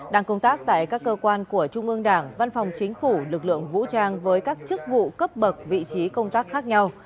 đang công tác tại các cơ quan của trung ương đảng văn phòng chính phủ lực lượng vũ trang với các chức vụ cấp bậc vị trí công tác khác nhau